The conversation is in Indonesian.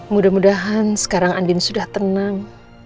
mudah mudahan sekarang andin sudah tenang